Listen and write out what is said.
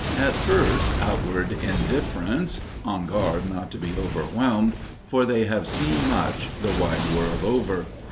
At first, outward indifference on guard not to be overwhelmed, for they have seen much, the wide world over.